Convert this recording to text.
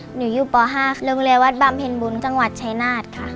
หนูอยู่ป๕โรงเรียวัตรบาลเผ็นบุญจังหวัดชายนาท